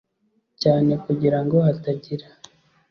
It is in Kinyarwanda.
cyane kugira ngo hatagira